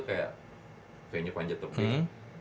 kayak venue panjattebing